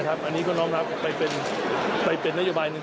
อันนี้ก็น้องน้ำใจเป็นนัยบายหนึ่ง